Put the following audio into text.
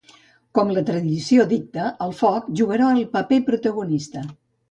Com la tradició dicta, el foc jugarà el paper protagonista.